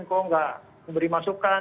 kok nggak memberi masukan